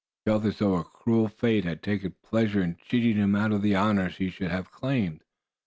He felt as though a cruel fate had taken pleasure in cheating him out of honors he should have claimed.